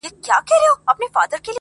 په توره کار دومره سم نسي مگر,